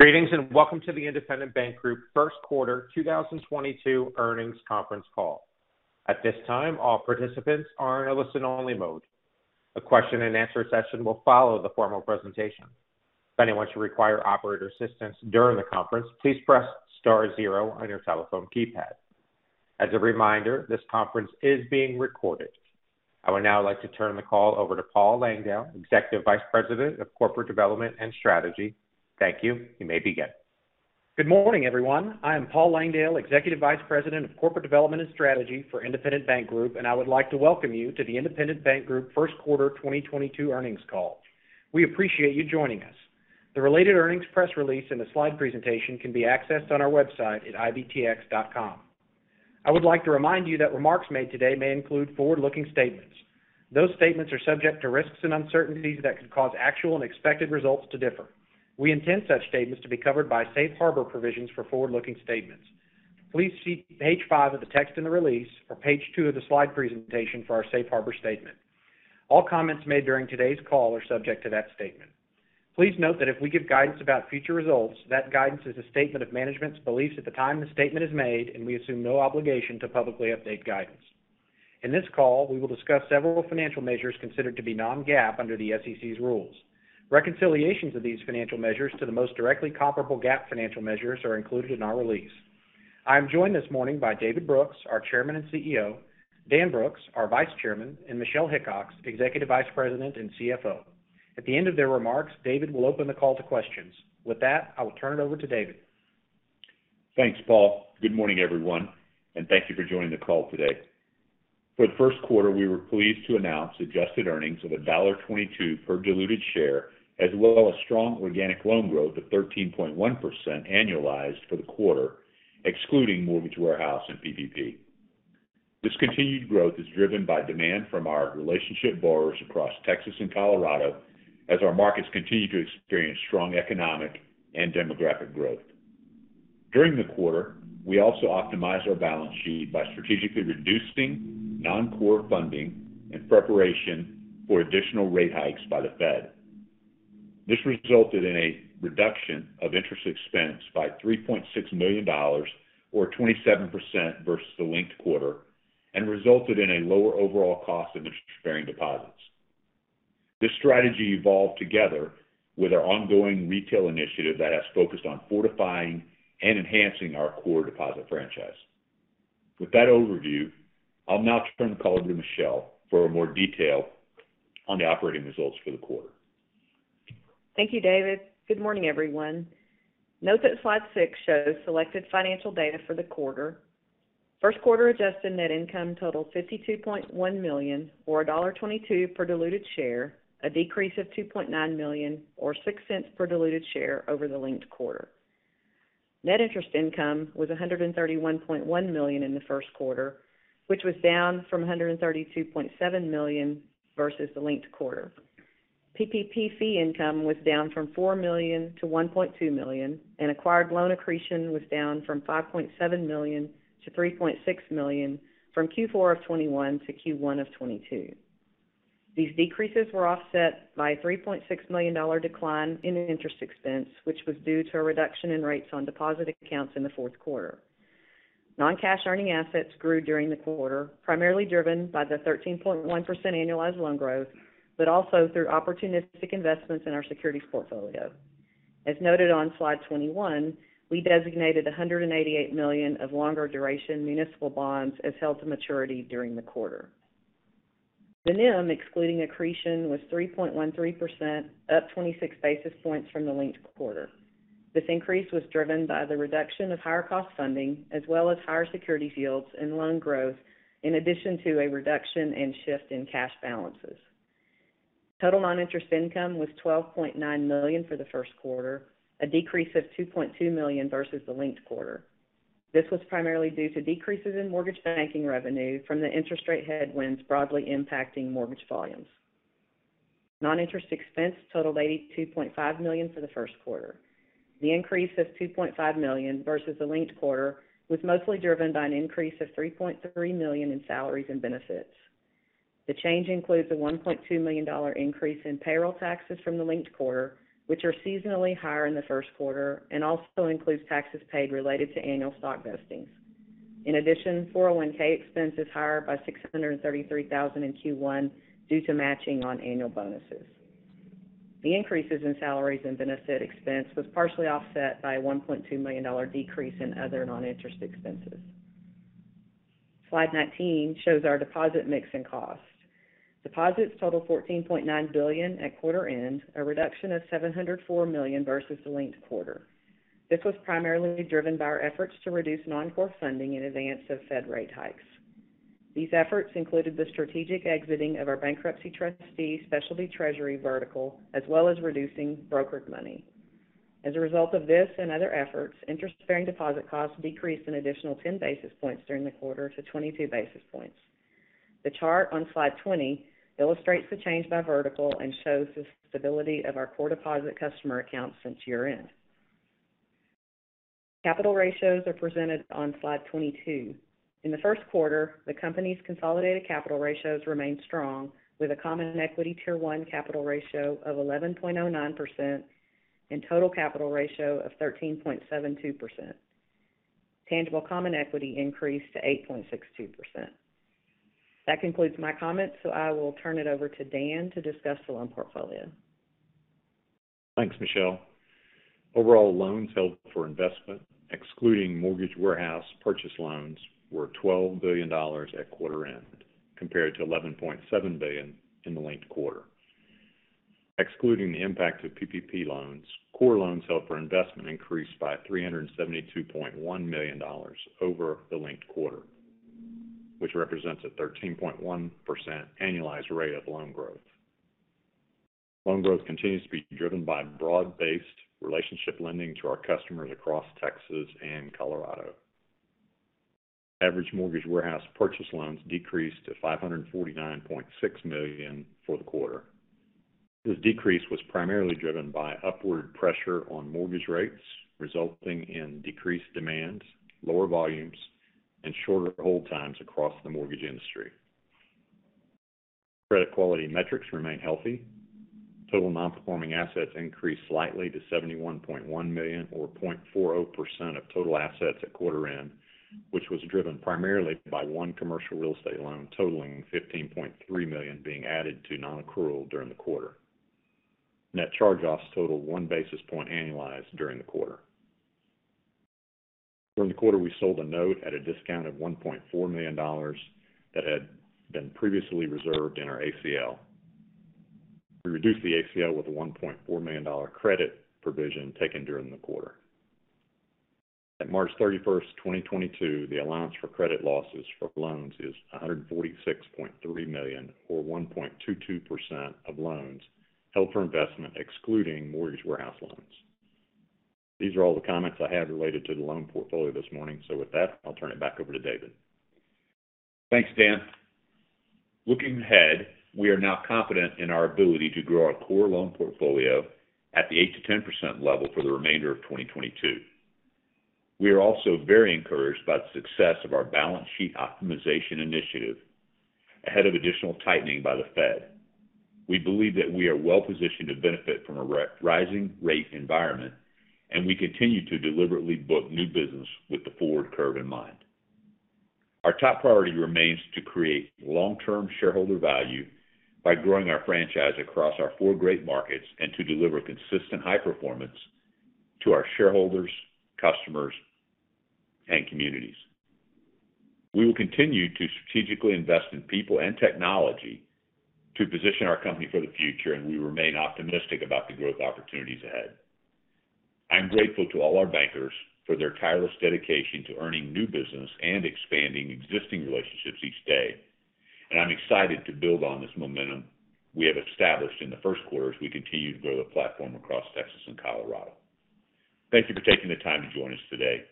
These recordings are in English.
Greetings, and welcome to the Independent Bank Group first quarter 2022 earnings conference call. At this time, all participants are in a listen-only mode. A question-and-answer session will follow the formal presentation. If anyone should require operator assistance during the conference, please press star zero on your telephone keypad. As a reminder, this conference is being recorded. I would now like to turn the call over to Paul Langdale, Executive Vice President of Corporate Development and Strategy. Thank you. You may begin. Good morning, everyone. I am Paul Langdale, Executive Vice President of Corporate Development and Strategy for Independent Bank Group, and I would like to welcome you to the Independent Bank Group first quarter 2022 earnings call. We appreciate you joining us. The related earnings press release and the slide presentation can be accessed on our website at ibtx.com. I would like to remind you that remarks made today may include forward-looking statements. Those statements are subject to risks and uncertainties that could cause actual and expected results to differ. We intend such statements to be covered by Safe Harbor provisions for forward-looking statements. Please see page five of the text in the release or page two of the slide presentation for our Safe Harbor statement. All comments made during today's call are subject to that statement. Please note that if we give guidance about future results, that guidance is a statement of management's beliefs at the time the statement is made, and we assume no obligation to publicly update guidance. In this call, we will discuss several financial measures considered to be non-GAAP under the SEC's rules. Reconciliations of these financial measures to the most directly comparable GAAP financial measures are included in our release. I am joined this morning by David Brooks, our Chairman and CEO; Dan Brooks, our Vice Chairman; and Michelle Hickox, Executive Vice President and CFO. At the end of their remarks, David will open the call to questions. With that, I will turn it over to David. Thanks, Paul. Good morning, everyone, and thank you for joining the call today. For the first quarter, we were pleased to announce adjusted earnings of $1.22 per diluted share, as well as strong organic loan growth of 13.1% annualized for the quarter, excluding Mortgage Warehouse and PPP. This continued growth is driven by demand from our relationship borrowers across Texas and Colorado as our markets continue to experience strong economic and demographic growth. During the quarter, we also optimized our balance sheet by strategically reducing non-core funding in preparation for additional rate hikes by the Fed. This resulted in a reduction of interest expense by $3.6 million or 27% versus the linked quarter and resulted in a lower overall cost of interest-bearing deposits. This strategy evolved together with our ongoing retail initiative that has focused on fortifying and enhancing our core deposit franchise. With that overview, I'll now turn the call over to Michelle for more detail on the operating results for the quarter. Thank you, David. Good morning, everyone. Note that slide six shows selected financial data for the quarter. First quarter adjusted net income totaled $52.1 million or $1.22 per diluted share, a decrease of $2.9 million or $0.06 per diluted share over the linked quarter. Net Interest Income was $131.1 million in the first quarter, which was down from $132.7 million versus the linked quarter. PPP fee income was down from $4 million-$1.2 million, and acquired loan accretion was down from $5.7 million-$3.6 million from Q4 of 2021 to Q1 of 2022. These decreases were offset by a $3.6 million decline in interest expense, which was due to a reduction in rates on deposit accounts in the fourth quarter. Interest-earning assets grew during the quarter, primarily driven by the 13.1% annualized loan growth, but also through opportunistic investments in our securities portfolio. As noted on slide 21, we designated $188 million of longer duration municipal bonds as held to maturity during the quarter. The NIM, excluding accretion, was 3.13%, up 26 basis points from the linked quarter. This increase was driven by the reduction of higher cost funding as well as higher securities yields and loan growth, in addition to a reduction in shift in cash balances. Total noninterest income was $12.9 million for the first quarter, a decrease of $2.2 million versus the linked quarter. This was primarily due to decreases in mortgage banking revenue from the interest rate headwinds broadly impacting mortgage volumes. Non-interest expense totaled $82.5 million for the first quarter. The increase of $2.5 million versus the linked quarter was mostly driven by an increase of $3.3 million in salaries and benefits. The change includes a $1.2 million increase in payroll taxes from the linked quarter, which are seasonally higher in the first quarter and also includes taxes paid related to annual stock vesting. In addition, 401(k) expense is higher by $633,000 in Q1 due to matching on annual bonuses. The increases in salaries and benefit expense was partially offset by a $1.2 million decrease in other non-interest expenses. Slide 19 shows our deposit mix and cost. Deposits totaled $14.9 billion at quarter end, a reduction of $704 million versus the linked quarter. This was primarily driven by our efforts to reduce non-core funding in advance of Fed rate hikes. These efforts included the strategic exiting of our bankruptcy trustee specialty treasury vertical, as well as reducing brokered money. As a result of this and other efforts, interest-bearing deposit costs decreased an additional 10 basis points during the quarter to 22 basis points. The chart on slide 20 illustrates the change by vertical and shows the stability of our core deposit customer accounts since year-end. Capital ratios are presented on slide 22. In the first quarter, the company's consolidated capital ratios remained strong, with a Common Equity Tier One capital ratio of 11.09% and total capital ratio of 13.72%. Tangible Common Equity increased to 8.62%. That concludes my comments, so I will turn it over to Dan to discuss the loan portfolio. Thanks, Michelle. Overall loans held for investment, excluding Mortgage Warehouse purchase loans, were $12 billion at quarter end, compared to $11.7 billion in the linked quarter. Excluding the impact of PPP loans, core loans held for investment increased by $372.1 million over the linked quarter, which represents a 13.1% annualized rate of loan growth. Loan growth continues to be driven by broad-based relationship lending to our customers across Texas and Colorado. Average Mortgage Warehouse purchase loans decreased to $549.6 million for the quarter. This decrease was primarily driven by upward pressure on mortgage rates, resulting in decreased demand, lower volumes, and shorter hold times across the mortgage industry. Credit quality metrics remain healthy. Total non-performing assets increased slightly to $71.1 million or 0.40% of total assets at quarter end, which was driven primarily by one commercial real estate loan totaling $15.3 million being added to non-accrual during the quarter. Net charge-offs totaled 1 basis point annualized during the quarter. During the quarter, we sold a note at a discount of $1.4 million that had been previously reserved in our ACL. We reduced the ACL with a $1.4 million credit provision taken during the quarter. At March 31st, 2022, the Allowance for Credit Losses for loans is $146.3 million or 1.22% of loans held for investment, excluding Mortgage Warehouse loans. These are all the comments I have related to the loan portfolio this morning. With that, I'll turn it back over to David. Thanks, Dan. Looking ahead, we are now confident in our ability to grow our core loan portfolio at the 8%-10% level for the remainder of 2022. We are also very encouraged by the success of our balance sheet optimization initiative ahead of additional tightening by the Fed. We believe that we are well positioned to benefit from a rising rate environment, and we continue to deliberately book new business with the forward curve in mind. Our top priority remains to create long-term shareholder value by growing our franchise across our four great markets and to deliver consistent high performance to our shareholders, customers, and communities. We will continue to strategically invest in people and technology to position our company for the future, and we remain optimistic about the growth opportunities ahead. I'm grateful to all our bankers for their tireless dedication to earning new business and expanding existing relationships each day, and I'm excited to build on this momentum we have established in the first quarter as we continue to grow the platform across Texas and Colorado. Thank you for taking the time to join us today.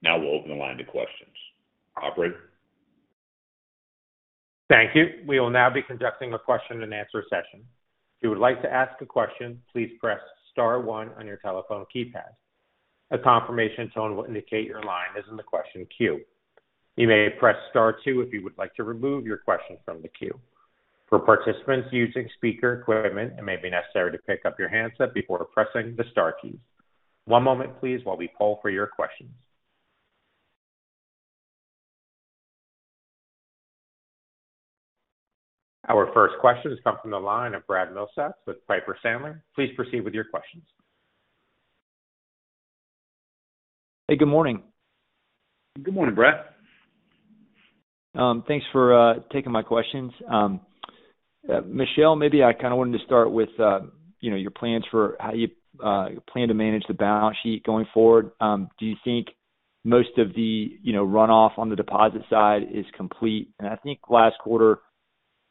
Now we'll open the line to questions. Operator? Thank you. We will now be conducting a question and answer session. If you would like to ask a question, please press star one on your telephone keypad. A confirmation tone will indicate your line is in the question queue. You may press star two if you would like to remove your question from the queue. For participants using speaker equipment, it may be necessary to pick up your handset before pressing the star keys. One moment please while we poll for your questions. Our first question has come from the line of Brad Milsaps with Piper Sandler. Please proceed with your questions. Hey, good morning. Good morning, Brad. Thanks for taking my questions. Michelle, maybe I kind of wanted to start with, you know, your plans for how you plan to manage the balance sheet going forward. Do you think most of the, you know, runoff on the deposit side is complete? I think last quarter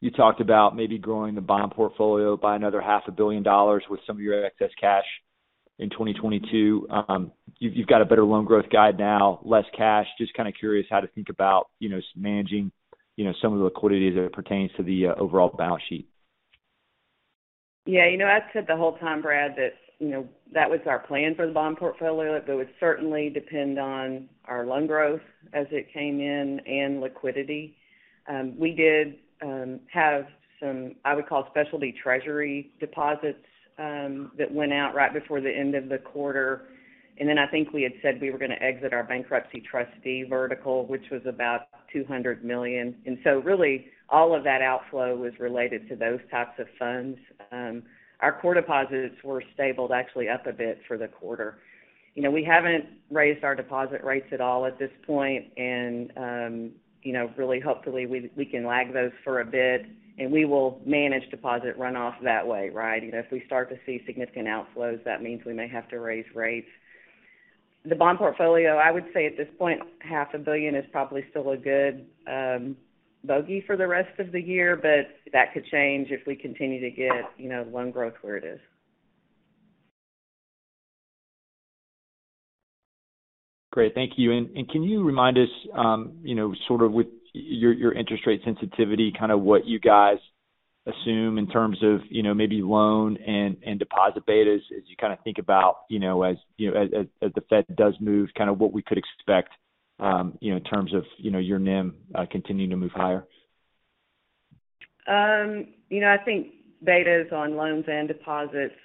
you talked about maybe growing the bond portfolio by another half a billion dollars with some of your excess cash in 2022. You've got a better loan growth guide now, less cash. Just kind of curious how to think about, you know, managing, you know, some of the liquidity as it pertains to the overall balance sheet. Yeah. You know, I've said the whole time, Brad, that, you know, that was our plan for the bond portfolio. It would certainly depend on our loan growth as it came in and liquidity. We did have some, I would call specialty treasury deposits, that went out right before the end of the quarter. Then I think we had said we were going to exit our bankruptcy trustee vertical, which was about $200 million. So really all of that outflow was related to those types of funds. Our core deposits were stable actually up a bit for the quarter. You know, we haven't raised our deposit rates at all at this point and, you know, really hopefully, we can lag those for a bit and we will manage deposit runoff that way, right? You know, if we start to see significant outflows, that means we may have to raise rates. The bond portfolio, I would say at this point, $500 million is probably still a good bogey for the rest of the year, but that could change if we continue to get, you know, loan growth where it is. Great. Thank you. Can you remind us, sort of with your interest rate sensitivity, kind of what you guys assume in terms of, maybe loan and deposit betas as you kind of think about, as the Fed does move kind of what we could expect, in terms of your NIM continuing to move higher? You know, I think betas on loans and deposits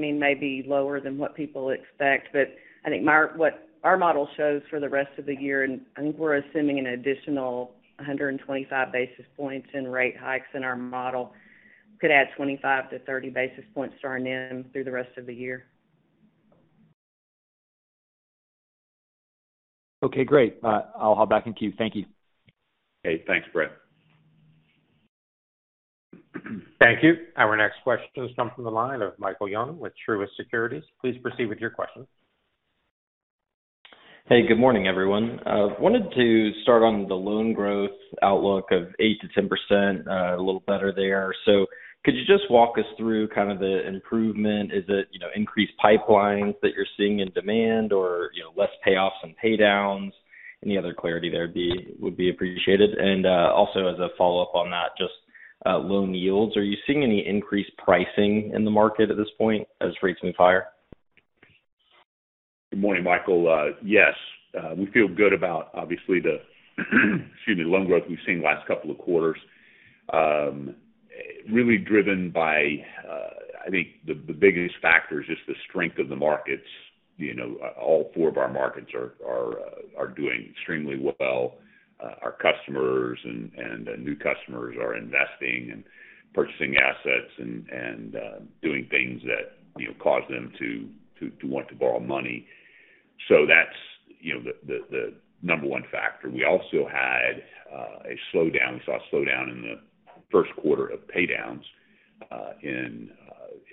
may be lower than what people expect. I think what our model shows for the rest of the year, and I think we're assuming an additional 125 basis points in rate hikes in our model could add 25-30 basis points to our NIM through the rest of the year. Okay, great. I'll hop back in queue. Thank you. Okay. Thanks, Brad. Thank you. Our next question comes from the line of Michael Young with Truist Securities. Please proceed with your question. Hey, good morning, everyone. Wanted to start on the loan growth outlook of 8%-10%, a little better there. Could you just walk us through kind of the improvement? Is it, you know, increased pipelines that you're seeing in demand or, you know, less payoffs and pay downs? Any other clarity there would be appreciated. Also as a follow-up on that, just loan yields. Are you seeing any increased pricing in the market at this point as rates move higher? Good morning, Michael. Yes, we feel good about obviously the loan growth we've seen last couple of quarters. Really driven by, I think the biggest factor is just the strength of the markets. You know, all four of our markets are doing extremely well. Our customers and new customers are investing and purchasing assets and doing things that, you know, cause them to want to borrow money. So that's, you know, the number one factor. We also had a slowdown. We saw a slowdown in the first quarter of pay downs,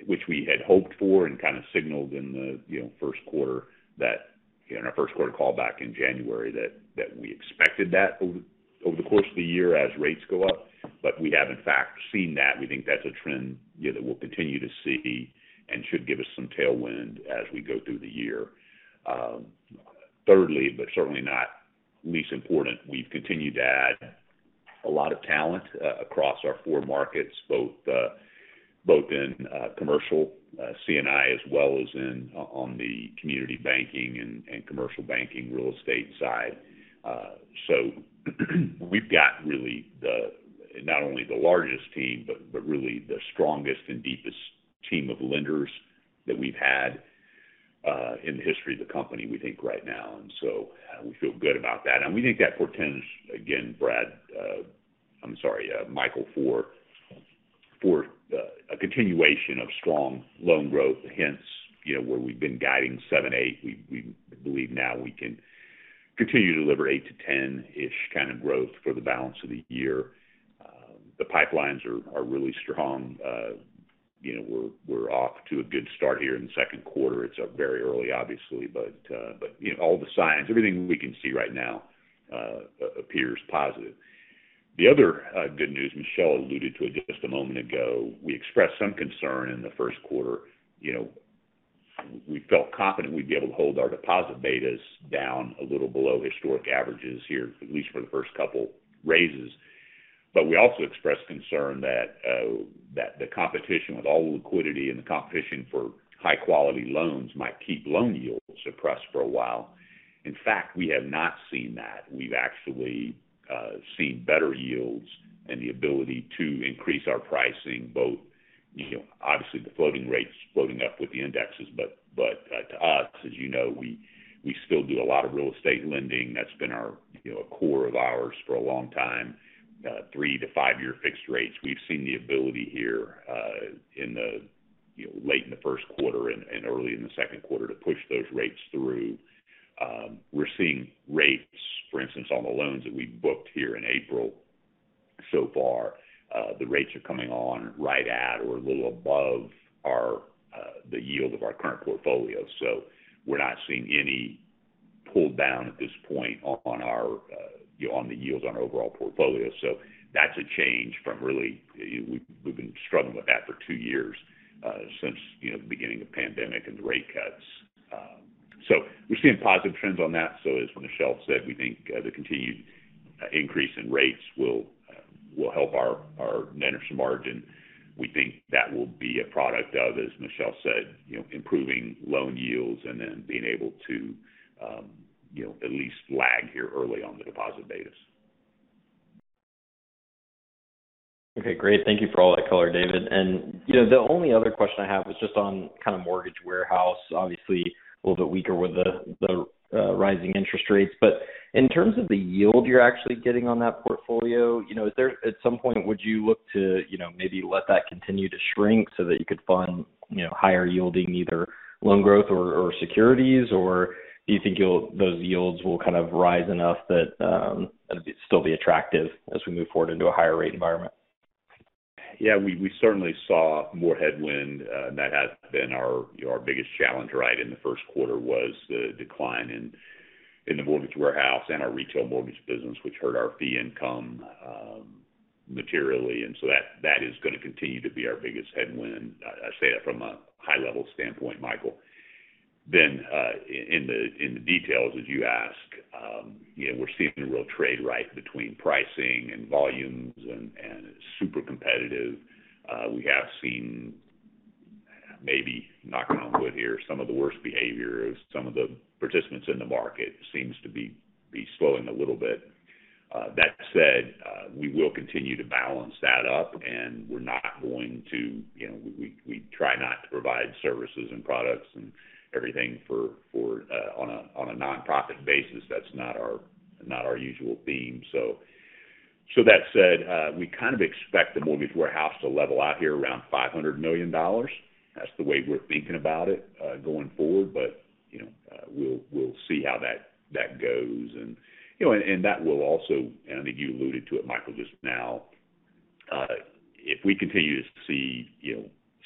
which we had hoped for and kinda signaled in our first quarter call back in January that we expected that over the course of the year as rates go up. We have in fact seen that. We think that's a trend, you know, that we'll continue to see and should give us some tailwind as we go through the year. Thirdly, certainly not least important, we've continued to add a lot of talent across our four markets, both in commercial, C&I, as well as on the community banking and commercial banking real estate side. We've got really not only the largest team, but really the strongest and deepest team of lenders that we've had in the history of the company, we think right now. We feel good about that. We think that portends, again, Brad. I'm sorry, Michael, for a continuation of strong loan growth, hence, you know, where we've been guiding 7%-8%. We believe now we can continue to deliver 8%-10%-ish kind of growth for the balance of the year. The pipelines are really strong. You know, we're off to a good start here in the second quarter. It's up very early, obviously, but you know, all the signs, everything we can see right now appears positive. The other good news Michelle alluded to just a moment ago, we expressed some concern in the first quarter. You know, we felt confident we'd be able to hold our deposit betas down a little below historic averages here, at least for the first couple raises. We also expressed concern that the competition with all the liquidity and the competition for high-quality loans might keep loan yields suppressed for a while. In fact, we have not seen that. We've actually seen better yields and the ability to increase our pricing both, you know, obviously the floating rates floating up with the indexes. To us, as you know, we still do a lot of real estate lending. That's been our, you know, a core of ours for a long time, three- to five-year fixed rates. We've seen the ability here late in the first quarter and early in the second quarter to push those rates through. We're seeing rates, for instance, on the loans that we booked here in April so far, the rates are coming on right at or a little above the yield of our current portfolio. We're not seeing any pull down at this point on the yields on our overall portfolio. That's a change from really, we've been struggling with that for two years since the beginning of the pandemic and the rate cuts. We're seeing positive trends on that. As Michelle said, we think the continued increase in rates will help our Net Interest Margin. We think that will be a product of, as Michelle said, you know, improving loan yields and then being able to, you know, at least lag here early on the deposit betas. Okay, great. Thank you for all that color, David. You know, the only other question I have is just on kind of Mortgage Warehouse, obviously a little bit weaker with the rising interest rates. In terms of the yield you're actually getting on that portfolio, you know, is there at some point would you look to, you know, maybe let that continue to shrink so that you could fund, you know, higher yielding either loan growth or securities? Do you think those yields will kind of rise enough that it'll still be attractive as we move forward into a higher rate environment? Yeah, we certainly saw more headwind. That has been our you know our biggest challenge right in the first quarter was the decline in the Mortgage Warehouse and our retail mortgage business, which hurt our fee income materially. That is gonna continue to be our biggest headwind. I say that from a high level standpoint, Michael. In the details that you ask, you know, we're seeing a real tradeoff between pricing and volumes and super competitive. We have seen maybe, knock on wood here, some of the worst behavior of some of the participants in the market seems to be slowing a little bit. That said, we will continue to balance that up, and we're not going to. You know, we try not to provide services and products and everything for on a nonprofit basis. That's not our usual theme. That said, we kind of expect the Mortgage Warehouse to level out here around $500 million. That's the way we're thinking about it going forward. You know, we'll see how that goes. You know, that will also, I think you alluded to it, Michael, just now, if we continue to see you know,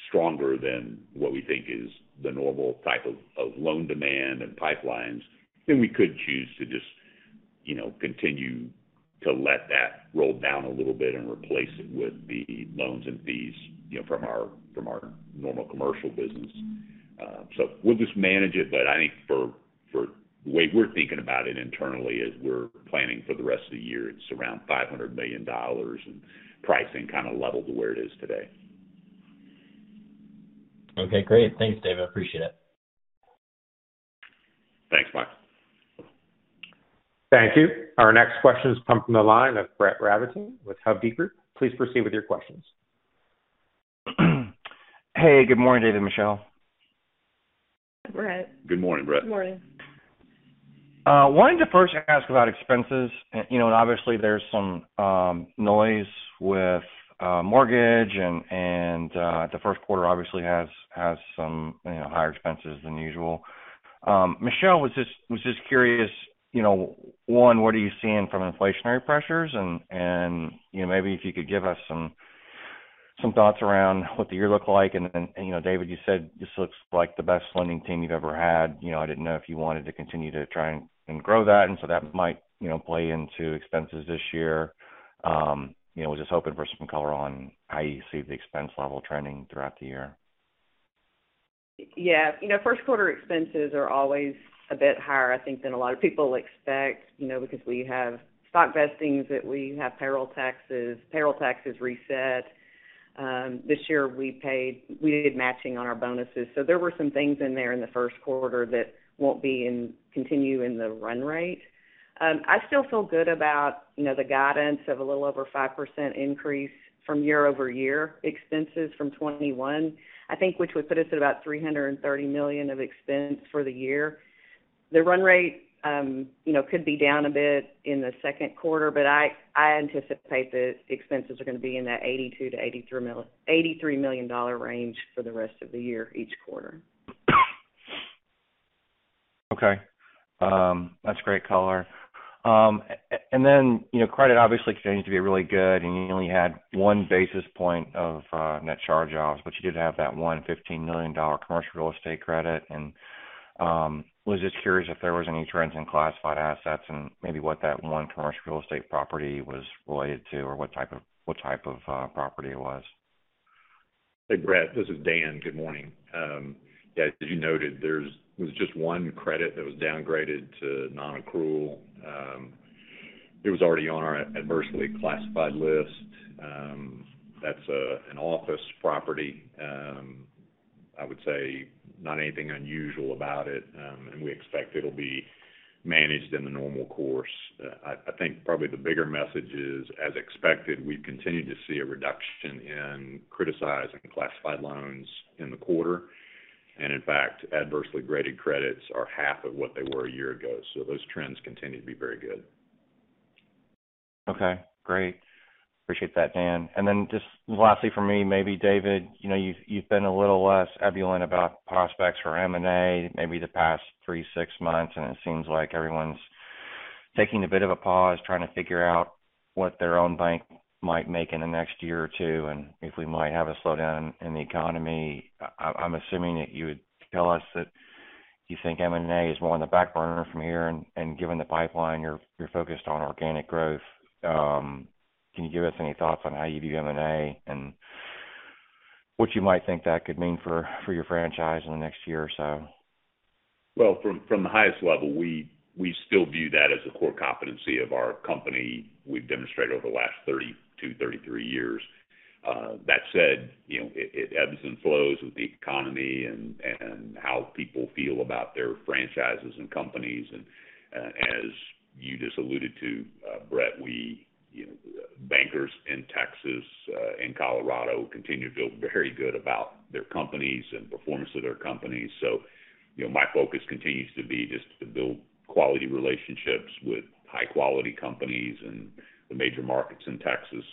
stronger than what we think is the normal type of loan demand and pipelines, then we could choose to just you know, continue to let that roll down a little bit and replace it with the loans and fees you know, from our normal commercial business. We'll just manage it, but I think for the way we're thinking about it internally as we're planning for the rest of the year, it's around $500 million and pricing kind of level to where it is today. Okay, great. Thanks, David. Appreciate it. Thanks, Mike. Thank you. Our next question is coming from the line of Brett Rabatin with Hovde Group. Please proceed with your questions. Hey, good morning, David and Michelle. Brett. Good morning, Brett. Good morning. Wanted to first ask about expenses. You know, obviously, there's some noise with mortgage and the first quarter obviously has some, you know, higher expenses than usual. Michelle, was just curious, you know, one, what are you seeing from inflationary pressures? You know, maybe if you could give us some thoughts around what the year looked like. You know, David, you said this looks like the best lending team you've ever had. You know, I didn't know if you wanted to continue to try and grow that, and so that might, you know, play into expenses this year. You know, was just hoping for some color on how you see the expense level trending throughout the year. Yeah. You know, first quarter expenses are always a bit higher, I think, than a lot of people expect, you know, because we have stock vesting that we have payroll taxes reset. This year we did matching on our bonuses. So there were some things in there in the first quarter that won't continue in the run rate. I still feel good about, you know, the guidance of a little over 5% increase from year-over-year expenses from 2021, I think, which would put us at about $330 million of expense for the year. The run rate, you know, could be down a bit in the second quarter, but I anticipate the expenses are going to be in that $82 million-$83 million range for the rest of the year, each quarter. Okay. That's great color. Then, you know, credit obviously continues to be really good, and you only had one basis point of net charge-offs, but you did have that one $15 million commercial real estate credit. I was just curious if there was any trends in classified assets and maybe what that one commercial real estate property was related to or what type of property it was. Hey, Brett, this is Dan. Good morning. As you noted, there's just one credit that was downgraded to nonaccrual. It was already on our adversely classified list. That's an office property. I would say not anything unusual about it, and we expect it'll be managed in the normal course. I think probably the bigger message is, as expected, we've continued to see a reduction in criticized classified loans in the quarter. In fact, adversely graded credits are half of what they were a year ago. Those trends continue to be very good. Okay, great. Appreciate that, Dan. Just lastly for me, maybe David, you know, you've been a little less ebullient about prospects for M&A, maybe the past three, six months, and it seems like everyone's taking a bit of a pause trying to figure out what their own bank might make in the next year or two, and if we might have a slowdown in the economy. I'm assuming that you would tell us that you think M&A is more on the back burner from here, and given the pipeline, you're focused on organic growth. Can you give us any thoughts on how you view M&A and what you might think that could mean for your franchise in the next year or so? Well, from the highest level, we still view that as a core competency of our company we've demonstrated over the last 32, 33 years. That said, you know, it ebbs and flows with the economy and how people feel about their franchises and companies. As you just alluded to, Brett, you know, bankers in Texas and Colorado continue to feel very good about their companies and performance of their companies. My focus continues to be just to build quality relationships with high-quality companies in the major markets in Texas.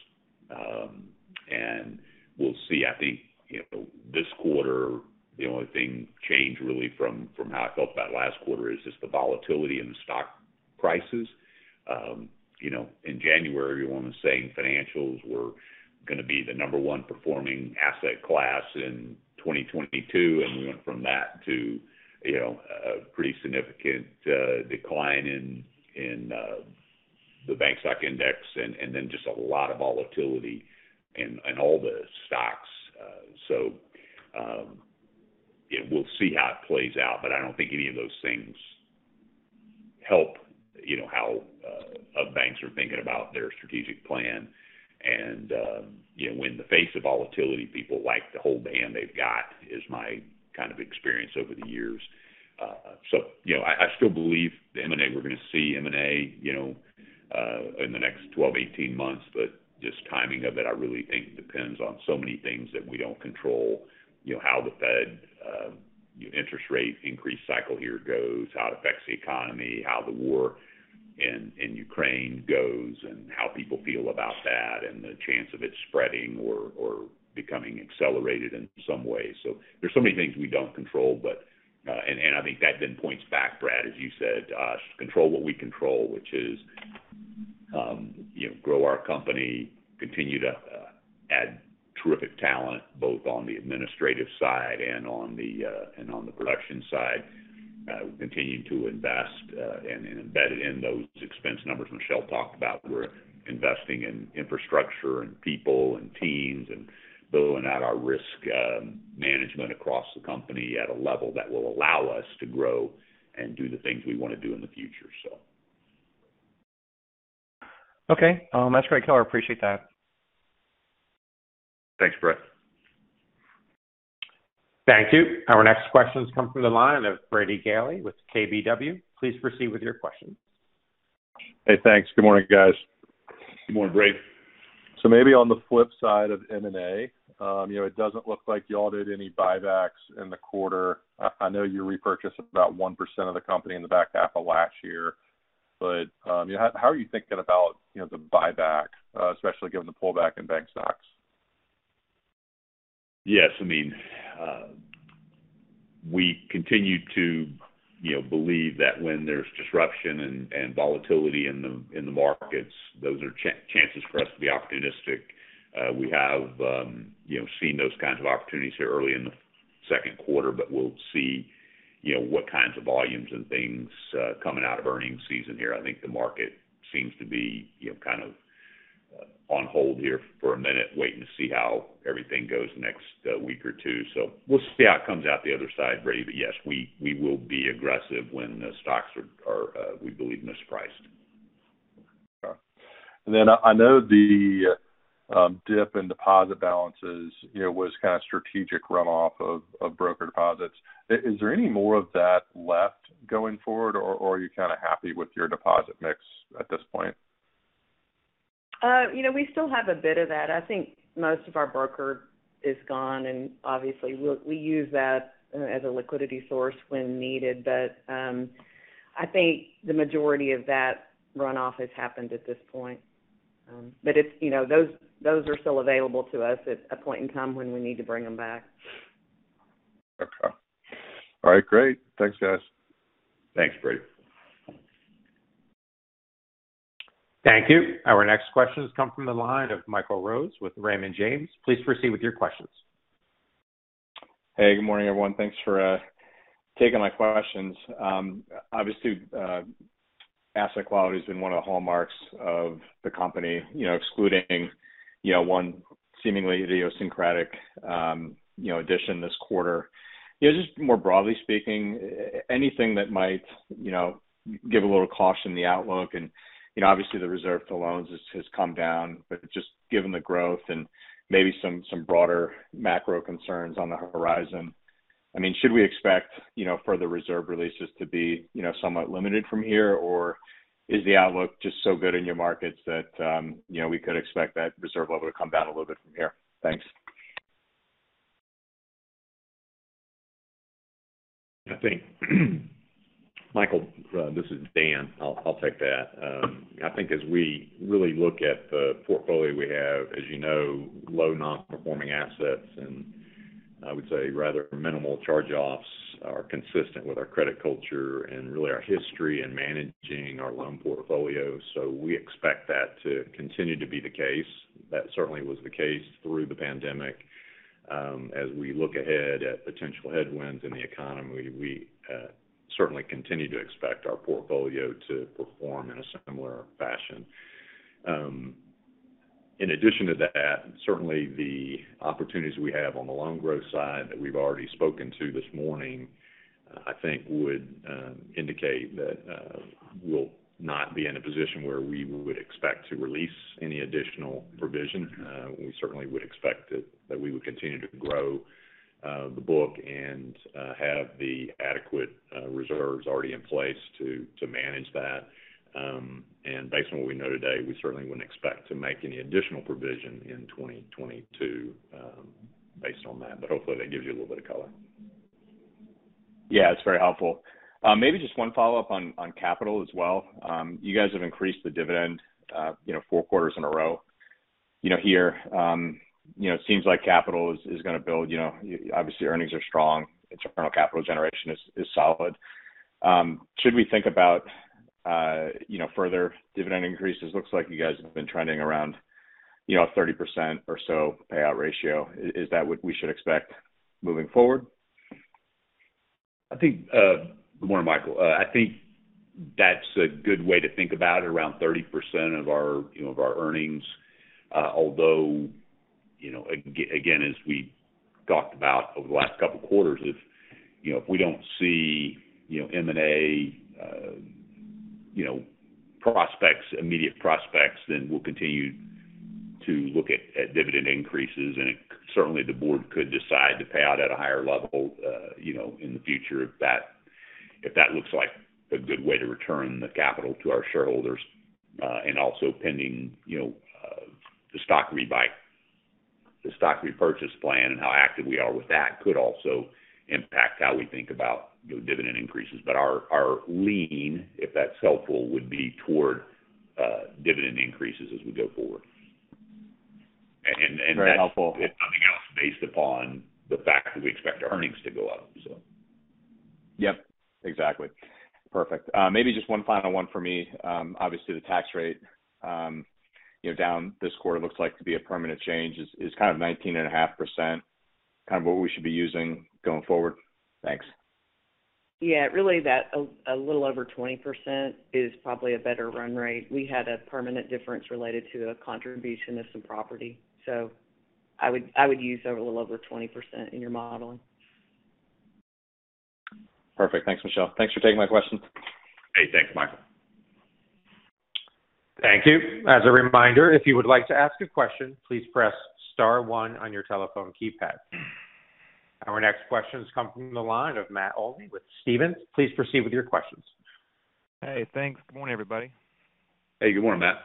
We'll see. I think, you know, this quarter, the only thing changed really from how I felt about last quarter is just the volatility in the stock prices. You know, in January, everyone was saying financials were gonna be the number one performing asset class in 2022, and we went from that to, you know, a pretty significant decline in the bank stock index and then just a lot of volatility in all the stocks. Yeah, we'll see how it plays out, but I don't think any of those things help, you know, how banks are thinking about their strategic plan. You know, I still believe the M&A. We're gonna see M&A, you know, in the next 12, 18 months. Just timing of it, I really think depends on so many things that we don't control. You know, how the Fed interest rate increase cycle here goes, how it affects the economy, how the war in Ukraine goes and how people feel about that and the chance of it spreading or becoming accelerated in some way. There's so many things we don't control, but and I think that then points back, Brad, as you said, control what we control, which is, you know, grow our company, continue to add terrific talent, both on the administrative side and on the production side. Continue to invest and embed in those expense numbers Michelle talked about. We're investing in infrastructure and people and teams and building out our risk management across the company at a level that will allow us to grow and do the things we wanna do in the future. Okay. That's great color. I appreciate that. Thanks, Brad. Thank you. Our next question comes from the line of Brady Gailey with KBW. Please proceed with your questions. Hey, thanks. Good morning, guys. Good morning, Brady. Maybe on the flip side of M&A, you know, it doesn't look like y'all did any buybacks in the quarter. I know you repurchased about 1% of the company in the back half of last year. How are you thinking about, you know, the buyback, especially given the pullback in bank stocks? Yes. I mean, we continue to, you know, believe that when there's disruption and volatility in the markets, those are chances for us to be opportunistic. We have, you know, seen those kinds of opportunities here early in the second quarter, but we'll see, you know, what kinds of volumes and things coming out of earnings season here. I think the market seems to be, you know, kind of on hold here for a minute, waiting to see how everything goes the next week or two. We'll see how it comes out the other side, Brady. Yes, we will be aggressive when the stocks are, we believe, mispriced. Okay. I know the dip in deposit balances, you know, was kind of strategic runoff of broker deposits. Is there any more of that left going forward, or are you kind of happy with your deposit mix at this point? You know, we still have a bit of that. I think most of our brokered is gone, and obviously, we use that as a liquidity source when needed. I think the majority of that runoff has happened at this point. It's, you know, those are still available to us at a point in time when we need to bring them back. Okay. All right. Great. Thanks, guys. Thanks, Brady. Thank you. Our next question has come from the line of Michael Rose with Raymond James. Please proceed with your questions. Hey, good morning, everyone. Thanks for taking my questions. Obviously, asset quality has been one of the hallmarks of the company, you know, excluding one seemingly idiosyncratic addition this quarter. You know, just more broadly speaking, anything that might give a little caution in the outlook and, you know, obviously the reserve for loans has come down, but just given the growth and maybe some broader macro concerns on the horizon. I mean, should we expect further reserve releases to be somewhat limited from here? Or is the outlook just so good in your markets that we could expect that reserve level to come down a little bit from here? Thanks. I think Michael, this is Dan. I'll take that. I think as we really look at the portfolio we have, as you know, low non-performing assets, and I would say rather minimal charge-offs are consistent with our credit culture and really our history in managing our loan portfolio. We expect that to continue to be the case. That certainly was the case through the pandemic. As we look ahead at potential headwinds in the economy, we certainly continue to expect our portfolio to perform in a similar fashion. In addition to that, certainly the opportunities we have on the loan growth side that we've already spoken to this morning, I think would indicate that we'll not be in a position where we would expect to release any additional provision. We certainly would expect that we would continue to grow the book and have the adequate reserves already in place to manage that. Based on what we know today, we certainly wouldn't expect to make any additional provision in 2022, based on that. Hopefully, that gives you a little bit of color. Yeah, it's very helpful. Maybe just one follow-up on capital as well. You guys have increased the dividend, you know, four quarters in a row. You know, here, it seems like capital is gonna build, you know, obviously earnings are strong, internal capital generation is solid. Should we think about, you know, further dividend increases? Looks like you guys have been trending around, you know, 30% or so payout ratio. Is that what we should expect moving forward? Good morning, Michael. I think that's a good way to think about it, around 30% of our, you know, of our earnings. Although, you know, again, as we talked about over the last couple of quarters, if, you know, if we don't see, you know, M&A, you know, prospects, immediate prospects, then we'll continue to look at dividend increases. It certainly the board could decide to pay out at a higher level, you know, in the future if that looks like a good way to return the capital to our shareholders. Also pending, you know, the stock rebuy, the stock repurchase plan and how active we are with that could also impact how we think about, you know, dividend increases. Our lean, if that's helpful, would be toward dividend increases as we go forward. That's- Very helpful. If nothing else, based upon the fact that we expect our earnings to go up, so. Yep, exactly. Perfect. Maybe just one final one for me. Obviously the tax rate, you know, down this quarter looks like to be a permanent change. Is kind of 19.5% kind of what we should be using going forward? Thanks. Yeah, really, a little over 20% is probably a better run rate. We had a permanent difference related to a contribution of some property. I would use a little over 20% in your modeling. Perfect. Thanks, Michelle. Thanks for taking my questions. Hey, thanks, Michael. Thank you. As a reminder, if you would like to ask a question, please press star one on your telephone keypad. Our next question is coming from the line of Matt Olney with Stephens. Please proceed with your questions. Hey, thanks. Good morning, everybody. Hey, good morning, Matt.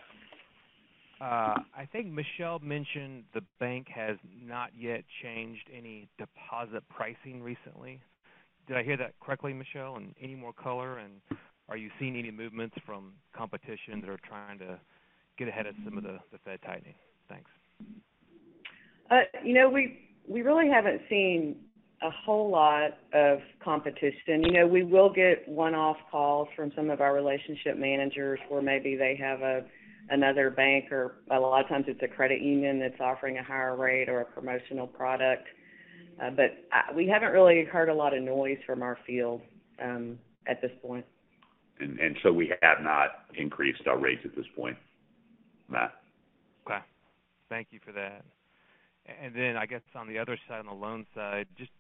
I think Michelle mentioned the bank has not yet changed any deposit pricing recently. Did I hear that correctly, Michelle? Any more color? Are you seeing any movements from competition that are trying to get ahead of some of the Fed tightening? Thanks. You know, we really haven't seen a whole lot of competition. You know, we will get one-off calls from some of our relationship managers where maybe they have a another bank or a lot of times it's a credit union that's offering a higher rate or a promotional product. We haven't really heard a lot of noise from our field at this point. We have not increased our rates at this point, Matt. Okay. Thank you for that. I guess on the other side, on the loan side, just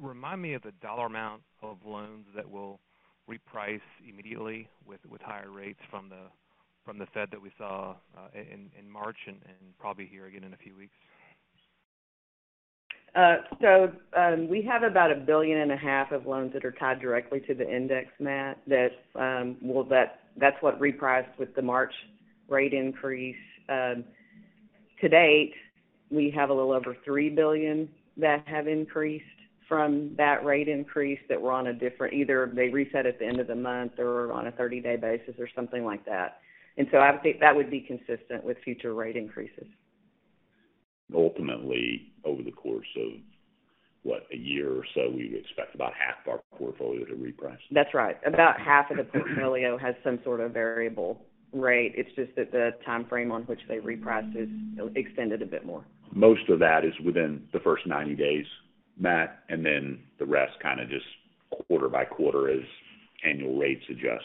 remind me of the dollar amount of loans that will reprice immediately with higher rates from the Fed that we saw in March and probably hear again in a few weeks. We have about $1.5 billion of loans that are tied directly to the index, Matt. That's what repriced with the March rate increase. To date, we have a little over $3 billion that have increased from that rate increase that were on a different, either they reset at the end of the month or on a 30-day basis or something like that. I think that would be consistent with future rate increases. Ultimately, over the course of, what? A year or so, we would expect about half of our portfolio to reprice. That's right. About half of the portfolio has some sort of variable rate. It's just that the timeframe on which they reprice is extended a bit more. Most of that is within the first 90 days, Matt, and then the rest kinda just quarter by quarter as annual rates adjust.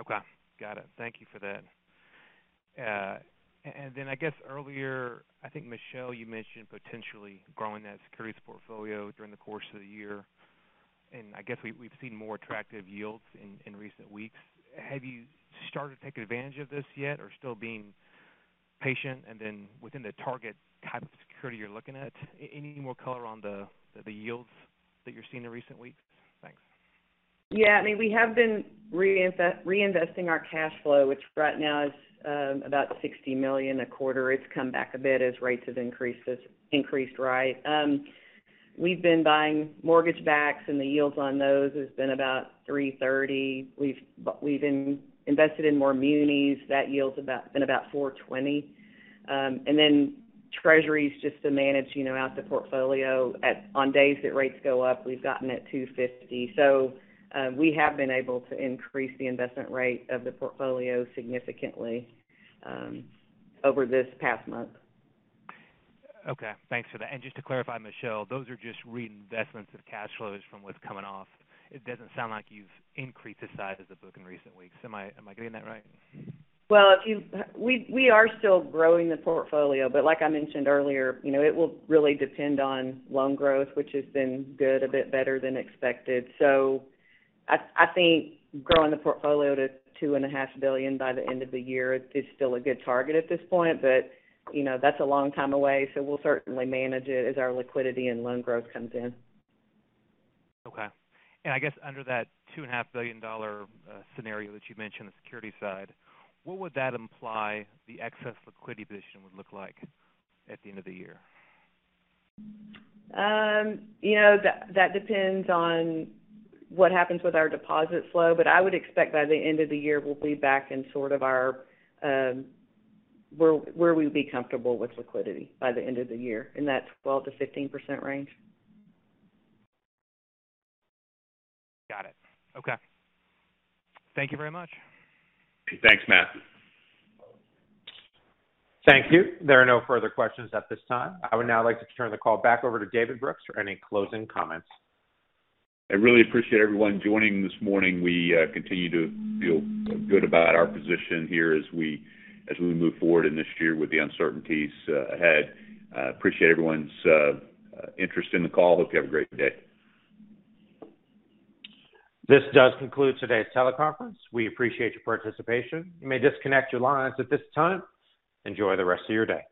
Okay. Got it. Thank you for that. I guess earlier, I think, Michelle, you mentioned potentially growing that securities portfolio during the course of the year. I guess we've seen more attractive yields in recent weeks. Have you started to take advantage of this yet or still being patient? Within the target type of security you're looking at, any more color on the yields that you're seeing in recent weeks? Thanks. Yeah. I mean, we have been reinvesting our cash flow, which right now is about $60 million a quarter. It's come back a bit as rates have increased, right? We've been buying mortgage backs and the yields on those has been about 3.30%. We've been invested in more munis. That yield's been about 4.20%. And then treasuries just to manage, you know, out the portfolio at, on days that rates go up, we've gotten at 2.50%. We have been able to increase the investment rate of the portfolio significantly over this past month. Okay. Thanks for that. Just to clarify, Michelle, those are just reinvestments of cash flows from what's coming off. It doesn't sound like you've increased the size of the book in recent weeks. Am I getting that right? We are still growing the portfolio, but like I mentioned earlier, you know, it will really depend on loan growth, which has been good, a bit better than expected. I think growing the portfolio to $2.5 billion by the end of the year is still a good target at this point. You know, that's a long time away, so we'll certainly manage it as our liquidity and loan growth comes in. Okay. I guess under that $2.5 billion scenario that you mentioned on the securities side, what would that imply the excess liquidity position would look like at the end of the year? You know, that depends on what happens with our deposit flow. I would expect by the end of the year, we'll be back in sort of our where we'd be comfortable with liquidity by the end of the year, in that 12%-15% range. Got it. Okay. Thank you very much. Thanks, Matt. Thank you. There are no further questions at this time. I would now like to turn the call back over to David Brooks for any closing comments. I really appreciate everyone joining this morning. We continue to feel good about our position here as we move forward in this year with the uncertainties ahead. Appreciate everyone's interest in the call. Hope you have a great day. This does conclude today's teleconference. We appreciate your participation. You may disconnect your lines at this time. Enjoy the rest of your day.